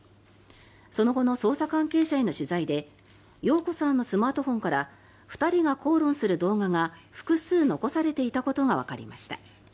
その後の捜査関係者への取材で容子さんのスマートフォンから２人が口論する動画が複数残されていたことがわかりました。